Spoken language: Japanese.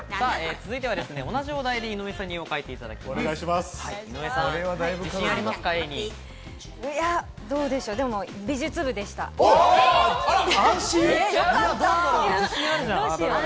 続いては同じお題で井上さんに絵を描いていただきます。